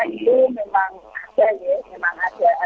itu memang ada ya memang ada